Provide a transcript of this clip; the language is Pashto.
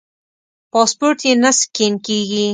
پاسپورټ یې نه سکېن کېږي.